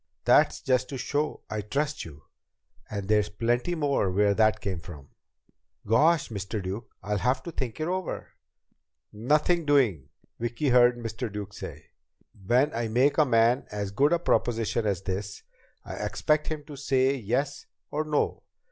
That's just to show I trust you. And there's plenty more where that came from!" "Gosh, Mr. Duke, I'll have to think it over." "Nothing doing!" Vicki heard Mr. Duke say. "When I make a man as good a proposition as this, I expect him to say yes or no.